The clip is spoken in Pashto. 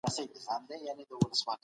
اميل دورکهايم يو فرانسوي و.